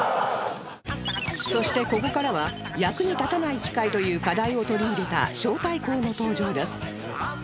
そしてここからは「役に立たない機械」という課題を取り入れた招待校の登場です